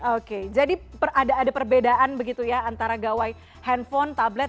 oke jadi ada perbedaan begitu ya antara gawai handphone tablet